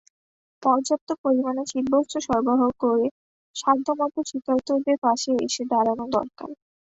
পর্যাপ্ত পরিমাণে শীতবস্ত্র সরবরাহ করে সাধ্যমতো শীতার্তদের পাশে এসে দাঁড়ানো দরকার।